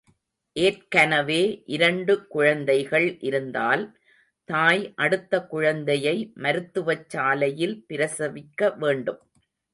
ஏற்கனவே இரண்டு குழந்தைகள் இருந்தால் தாய் அடுத்த குழந்தையை மருத்துவச்சாலையில் பிரசவிக்க வேண்டும்.